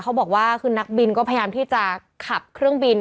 เขาบอกว่าคือนักบินก็พยายามที่จะขับเครื่องบิน